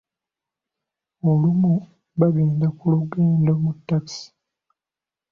Olumu baagenda ku lugendo mu takisi.